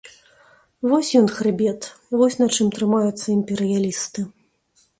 Вось ён хрыбет, вось на чым трымаюцца імперыялісты.